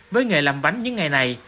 với nghề làm bánh những ngày này